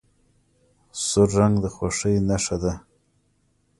سور رنګ د خوښۍ نښه ده.